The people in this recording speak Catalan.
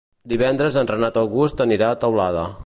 Divendres en Renat August anirà a Teulada.